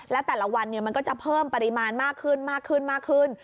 และแต่ละวันมันก็จะเพิ่มปริมาณมากขึ้น